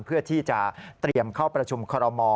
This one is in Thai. เพื่อที่จะเตรียมเข้าประชุมคอรมอ